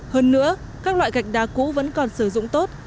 hơn nữa các loại gạch đá cũ vẫn còn sử dụng tốt